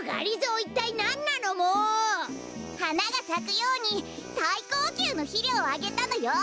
いったいなんなのも！？はながさくようにさいこうきゅうのひりょうをあげたのよ！